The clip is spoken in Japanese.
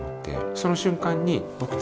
その瞬間に僕。